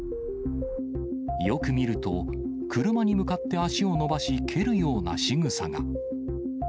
よく見ると、車に向かって足を伸ばし、蹴るようなしぐさが。